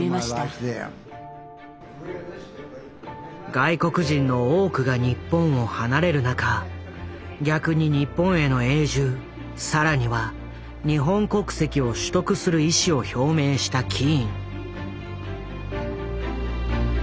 外国人の多くが日本を離れる中逆に日本への永住更には日本国籍を取得する意思を表明したキーン。